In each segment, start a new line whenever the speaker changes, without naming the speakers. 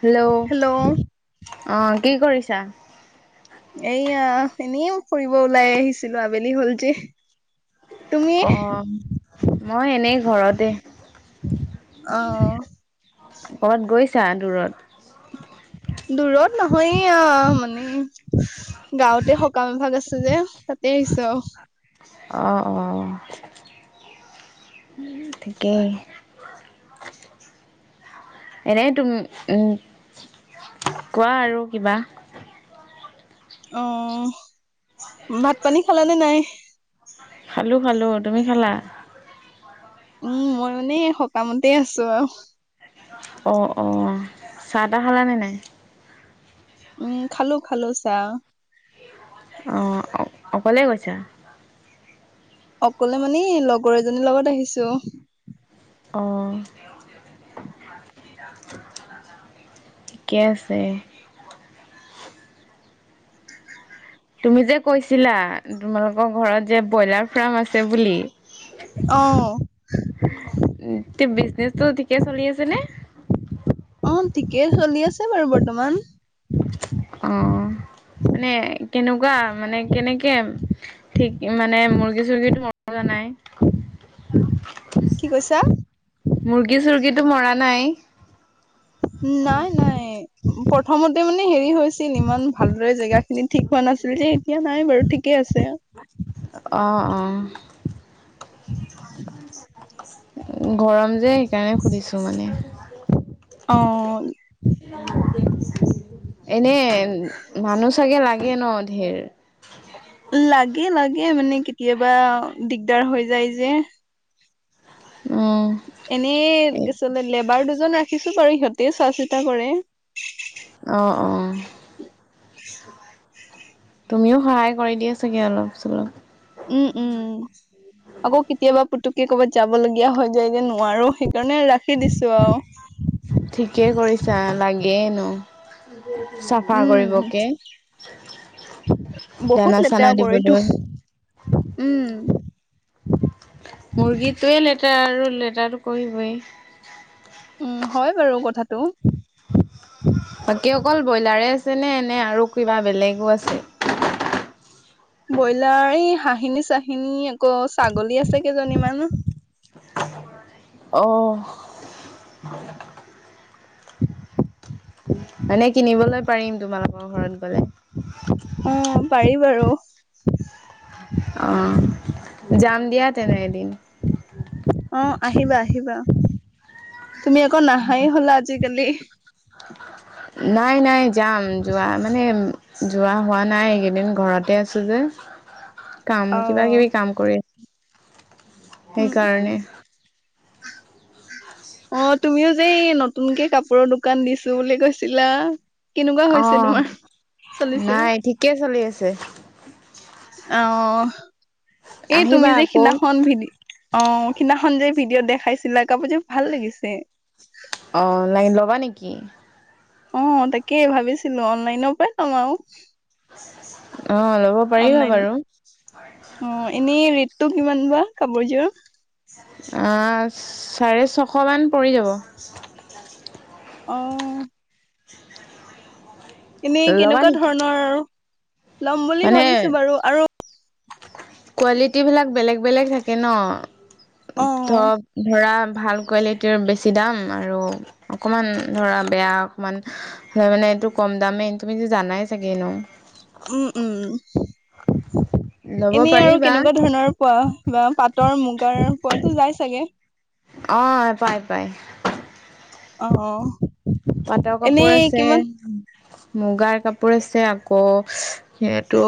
Hello
hello
অ, কি কৰিছা?
এইয়া এনেইও ফুৰিব ওলাই আহিছিলোঁ, আবেলি হল যে। তুমি?
অ', মই এনেই ঘৰতে।
অ',
ক'ৰবাত গৈছা দূৰত?
দূৰত নহয় এইয়া মানে গাঁৱতে সকাম এভাগ আছে যে তাতে আহিছোঁ।
অ', অ', ঠিকে। এনেই তুমি কোৱা আৰু কিবা?
অ', ভাত পানী খালানে নাই?
খালোঁ খালোঁ তুমি খালা?
উম, মই মানে সকামতে আছোঁ আৰু।
অ', অ', চাহ তাহ খালানে নাই?
উম, খালোঁ খালোঁ চাহ।
অ', অকলে গৈছা?
অকলে মানে লগৰ এজনীৰ লগত আহিছোঁ।
অ', ঠিকে আছে। তুমি যে কৈছিলা তোমালোকৰ ঘৰত যে ব্ৰইলাৰ ফাৰ্ম আছে বুলি।
অ',
উ, তে বিজনেছটো ঠিকে চলি আছে নে?
অ', ঠিকেই চলি আছে বাৰু বৰ্তমান।
অ', মানে কেনেকুৱা মানে কেনেকে? ঠিক মানে মুৰ্গী চুৰ্গীটো মৰা নাই?
কি কৈছা?
মুৰ্গী চৰ্গী টো মৰা নাই?
নাই নাই প্ৰথমতে মানে হেৰি হৈছিল ইমান ভালদৰে জেগাখিনি ঠিক হোৱা নাছিল যে, এতিয়া নাই বাৰু ঠিকে আছে।
অঁ অঁ।
[unintelligible]
গৰম যে সেইকাৰণে সুধিছো মানে?
অ'।
এনে মানুহ চাগে লাগে ন ঢেৰ?
লাগে লাগে মানে কেতিয়াবা দিগদাৰ হৈ যায় যে।
উম।
এনেই কি লেবাৰ দুজন ৰাখিছো বাৰু সিহঁতে চোৱা চিতা কৰে।
অ' অ'। তুমিও সহায় কৰি দিয়া চাগে অলপ চলপ।
উম উম।
উম [unintelligible]
আকৌ কেতিয়াবা পুতুককে ক'ৰবাত যাব লগীয়া হৈ যায় যে নোৱাৰো সেইকাৰণে ৰাখি দিছো আৰু।
ঠিকেই কৰিছা লাগে এনেও। চাফা
উম
কৰিবকে
বহুত
দানা
লেতেৰা
চানা
কৰিতো
দিবলৈ
উম।
মুৰ্গীটোৱে লেতেৰা আৰু লেতেৰাটো কৰিবই।
উম হয় বাৰু কথাটো।
বাকী অকল ব্ৰইলাৰে আছে নে এনে আৰু কিবা বেলেগো আছে?
ব্ৰইলাৰ এই হাঁহিনী চাহিনী আকৌ ছাগলী আছে কেইজনীমান।
অহ। ম [unintelligible] মানে কিনিবলৈ পাৰিম তোমালোকৰ ঘৰত গ'লে।
উম পাৰি বাৰু।
অ' যাম দিয়া তেনে এদিন।
অ' আহিবা আহিবা তুমি আকৌ নহাই হ'লা আজিকালি।
নাই নাই যাম যোৱা মানে যোৱা হোৱা নাই এইকেইদিন ঘৰতে আছো যে, কাম
অ
কিবা কিবি কাম কৰি আছো।
উম উম
সেইকাৰণে।
অ' তুমিও যে নতুনকে কাপোৰৰ দোকান দিছো বুলি কৈছিলা? কেনেকুৱা হৈছে তোমাৰ চলিছে?
কেই চলি আছে।
অ' এই তুমি
আহিবা
যে
আকৌ
সিদিনাখন ভিডি অ' সেইদিনাখন যে ভিডিঅ' দেখাইছিলা কাপোৰ যোৰ ভাল লাগিছে?
অঁ অনলাইন ল'বা নেকি?
অ' তাকেই ভাবিছিলো, অনলাইনৰ পা নলওঁ।
অ' ল'ব পাৰিব
অনলাইন
বাৰু।
অ' এনেই ৰেটটো কিমান বা কাপোৰযোৰৰ?
অ' চাৰে ছশ মান পৰি যাব।
অ'। এনেই
ল'বা
কেনেকুৱা
নেকি?
ধৰণৰ, ল'ম বুলি ভাবিছো বাৰু। আৰু
কোৱালিটী বিলাক বেলেগ বেলেগ থাকে ন?
অ
ধব ধৰা ভাল কোৱালিটি টোৰ বেছি দাম আৰু অকণমান ধৰা বেয়া অকণমান হয় মানে এইটো কম দামেই তুমি জানাই চাগে এনেওঁ?
উম। উম
[unintelligible] [unintelligible]
এনেই আৰু
পাৰিবা
কেনেকুৱা ধৰণৰ পোৱা বা পাটৰ মুগাৰ পোৱাতো যায় চাগে।
অহ, পায়-পায়।
অহ', অহ'।
পাটৰ কাপোৰ আছে, মুগাৰ কাপোৰ আছে, আকৌ সেইটো,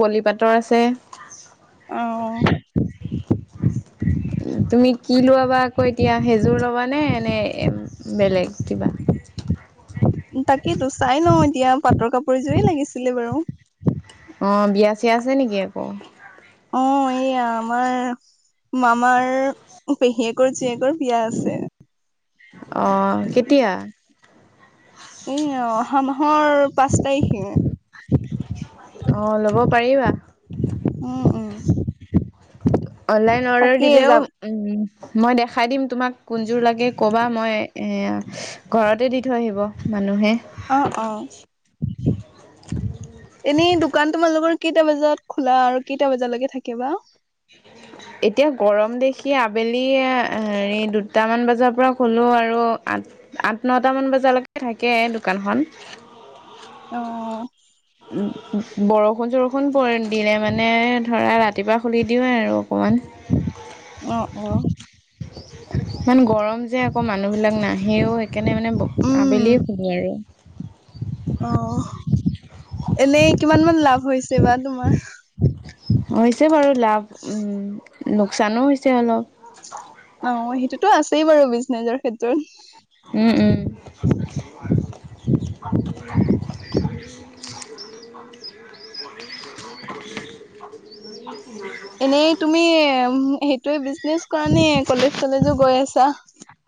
পলিপাতৰ আছে।
অহ', অহ'।
[unintelligible] [unintelligible] তুমি কি লোৱা বা আকৌ এতিয়া সেইজোৰ ল'বানে নে বেলেগ কিবা।
তাকেইতো চাই লওঁ এতিয়া, পাটৰ কাপোৰ এজোৰে লাগিছিলে বাৰু।
অহ, বিয়া-চিয়া আছে নেকি আকৌ?
অহ, এইয়া আমাৰ মামাৰ পেহীয়েকৰ জীয়েকৰ বিয়া আছে।
অহ, কেতিয়া?
এই অহা মাহৰ পাঁচ তাৰিখে।
অহ, ল'ব পাৰিবা।
উম', উম'।
অনলাইন অৰ্ডাৰ
তাকেই
দিলেও
যাম
উম, মই দেখাই দিম। তোমাক কোনজোৰ লাগে ক'বা, মই এয়া ঘৰতে দি থৈ আহিব মানুহে।
অহ', অহ'। এনেই দোকান তোমালোকৰ কেইটা বজাত খোলা আৰু কেইটা বজালৈকে থাকেবা।
[unintelligible] এতিয়া গৰম দেখি আবেলি হেৰি দুটামান বজাৰ পৰা খলোঁ আৰু আ আঠ নটামান বজালৈকে থাকে দোকানখন।
অহ।
বৰষুণ-চৰষুণ দিলে মানে ধৰা ৰাতিপুৱা খুলি দিওঁ আৰু অকমান।
অহ', অহ'।
ইমান গৰম যে আকৌ মানুহবিলাক নাহেও, সেইকাৰণে মানে আবেলিয়ে খুলো আৰু।
অহ, এনেই কিমান মান লাভ হৈছে বা তোমাৰ?
হৈছে বাৰু লাভ। উম, লোকচানো হৈছে অলপ।
অহ, সেইটোতো আছেই বাৰু বিজনেজৰ ক্ষেত্ৰত।
উম', উম'। [unintelligible]
এনেই তুমি সেইটোৱে বিজনেচ কৰা নে, কলেজ-চলেজো গৈ আছা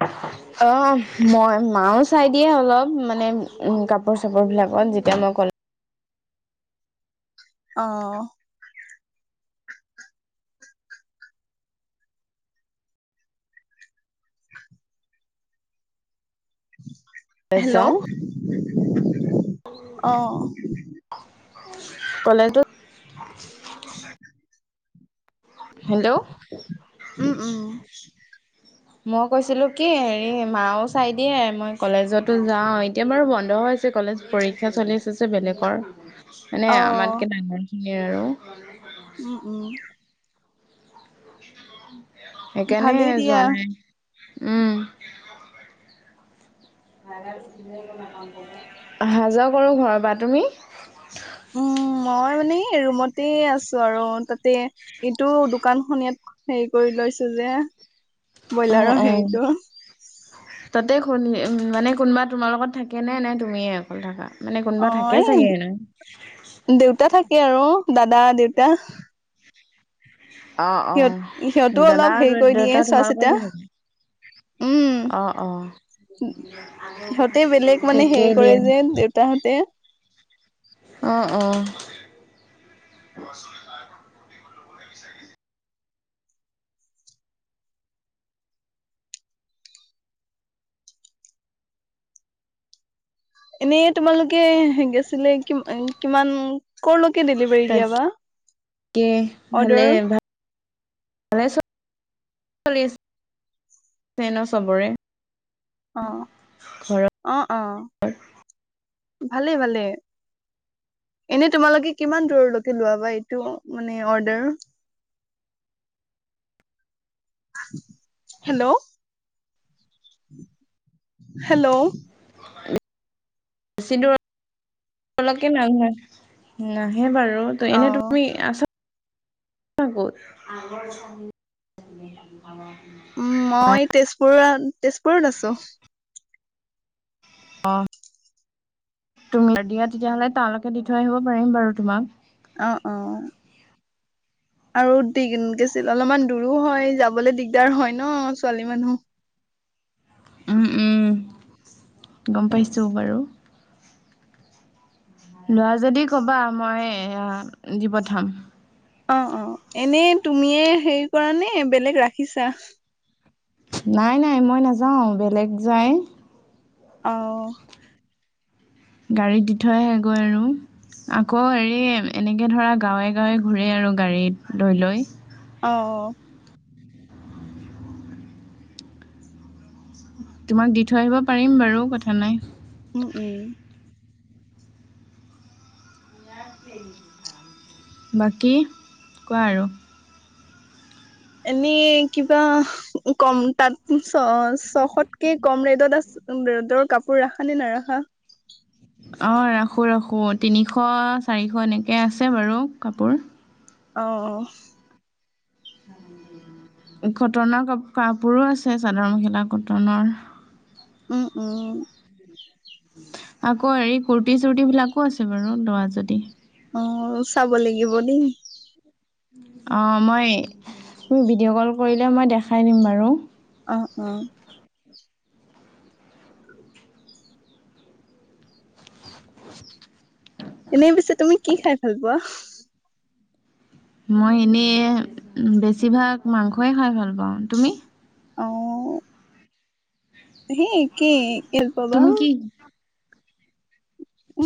[unintelligible] অহ, মই মাও চাই দিয়ে অলপ মানে উম, কাপোৰ-চাপোৰবিলাকত যেতিয়া মই কলেজ
অহ।
কলেজ
হেল্ল'
যাওঁ
অহ।
কলেজটো
[unintelligible]
হেল্ল'
উম উম
মোক কৈছিলো কি, হেৰি মাও চাই দিয়ে মই কলেজতো যাওঁ এতিয়া বাৰু বন্ধ হৈ কলেজ পৰীক্ষা চলি আছে যে বেলেগৰ, মানে
অ
আমাতকে ডাঙৰখিনিৰ আৰু।
উম', উম'।
সেইকাৰণে
ভালেই দিয়া
যোৱা নাই, উম। [unintelligible] আহা যোৱা কৰো ঘৰৰ পৰা। তুমি?
উম, মই মানে এই ৰুমতে আছোঁ আৰু তাতে ইটো দোকানখন ইয়াত হেৰি কৰি লৈছো যে
অ'
ব্ৰইলাৰৰ
অ'
হেৰিটো
তাতে শুনি মানে কোনোবা তোমাৰ লগত থাকে নে নে তুমিয়ে অকল থকা মানে
অ
কোনোবা থাকে
এই
চাগে
দেউতা থাকে আৰু দাদা দেউতা
অ'
সিহঁত
অ'
সিহঁতো
দাদা
অলপ হেৰি
আৰু
কৰি দিয়ে
দেউতা
চোৱা চিতা
তোমালোকলৈ
উম
অ' অ'
সিহঁতে বেলেগ মানে হেৰি
ঠিকেই
কৰে
দিয়া
যে দেউতাহঁতে
অঁ অঁ বশ [inaudible]
এনেই তোমালোকে বেছিলে কিমান কলৈকে ডেলিভাৰী দিয়াবা
তাকে
অৰ্ডাৰ
ভাল চলি আ ন চবৰে [unintelligible] [unintelligible]
অ'
ঘৰত
অ' অ' ভালেই ভালেই এনে তোমালোকে কিমান দূৰলৈকে লোৱাবা এইটো মানে অৰ্ডাৰ হেল্ল' হেল্ল'
চিধ [inaudible] তলকে মানুহে নাহে বাৰু তো
অ
এনে তুমি আছা ক'ত [unintelligible] [unintelligible] ে আ [inaudible]
মই তেজপুৰত তেজপুৰত আছো
অ' তুমি দিয়া তেতিয়াহ'লে তালৈকে দি থৈ আহিব পাৰিম বাৰু তোমাক
অ' অ' আৰু দি গৈছিল অলপমান দূৰো হয় যাবলৈ দিগদাৰ হয় ন ছোৱালী মানুহ উ
উম,
[inaudible]
উম, গম পাইছোঁ বাৰু লোৱা যদি ক'বা মই দি পঠাম।
অ' অ' এনেই তুমিয়ে হেৰি কৰা নে বেলেগ ৰাখিছা
নাই নাই মই নাযাওঁ বেলেগ যায়
অ
গাড়ীত দি থৈ আহেগৈ আৰু আকৌ হেৰি এনেকৈ ধৰা গাঁৱে গাঁৱে ঘূৰে আৰু গাড়ী লৈ লৈ
অ অ
তোমাক দি থৈ আহিব পাৰিম বাৰু কথা নাই
উম উম
[unintelligible] বাকী কোৱা আৰু
এনেই কিবা কম তাত ছ ছশতকে কম ৰেটত আছে ৰ'দৰ কাপোৰ ৰাখা নে নাৰাখা
অঁ ৰাখোঁ ৰাখোঁ তিনিশ চাৰিশ এনেকৈ আছে বাৰু কাপোৰ
অ
কটনৰ কাপ কাপোৰো আছে চাদৰ মেখেলা কটনৰ
উম উম
আকৌ হেৰি কুৰ্্তি চৰ্্তি বিলাকো আছে বাৰু ল'ৰা যদি
অ চাব লাগিব দেই
অঁ মই তি ভিডিঅ' কল কৰিলে মই দেখাই দিম বাৰু
অ অ এনেই পিছে তুমি কি খাই ভাল পোৱা
মই এনেই বেছিভাগ মাংসয়ই খাই ভাল পাওঁ তুমি
আৰু হেই কি হ পাবা
তুমি কি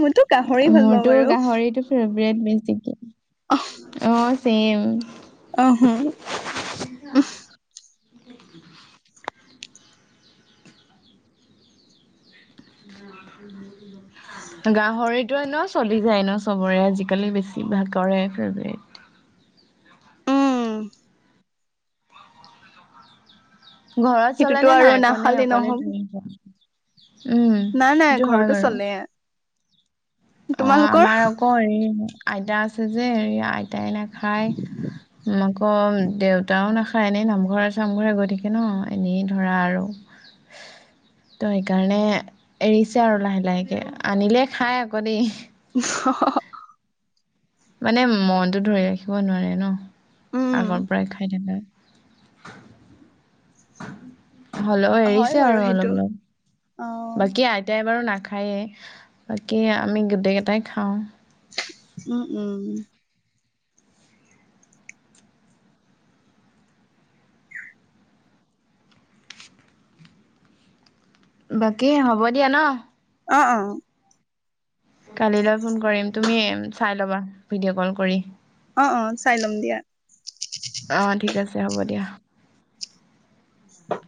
মইতো গাহৰি ভাল পাওঁ
মোৰতো
বাৰু
গাহৰিটো ফেভট বেছিকে অ চম
অহ
উ গাহৰিতো ন চলি যায় ন চবৰে আজিকালি বেছি ভাগ কৰে ফেভট
উম
ঘৰত চলে
সেইটোতো
নে
আৰু
নাই কোনেে
নাখালে
অকলে
নহ'ব
তুমি যোৱা উম
নাই নাই
সেইটো হয়
ঘৰতো
বাৰু
চলে
অ
তোমালোকৰ
আমাৰ আকৌ হেৰি আইতা আছে যে হেৰি আইতাই নাখায় আকৌ দেউতাও নাখায় এনেই নামঘৰে চামঘৰে গৈ থাকে ন এনেই ধৰা আৰু ত সেইকাৰণে এৰিছে আৰু লাহে লাহেকে আনিলে খাই কৰি
[inaudible]
মানে মনটো ধৰি ৰাখিব নোৱাৰে ন
উম
আগৰ পৰাই খাই থাকাকে হলেও
হয়
এৰিছে
বাৰু
আৰু
সেইটো
অলপ অলপ
অ
বাকী আ এতিাই বাৰু নাখায়েই বাকী আমি গোটেইকেইটাই খাওঁ
উম উম
বাকী হ'ব দিয়া ন
অ অ
কালিলৈ ফোন কৰিম তুমি চাই ল'বা ভিডিঅ' কল কৰি
অ অ চাই ল'ম দিয়া
অ ঠিক আছে হ'ব দিয়া
হয়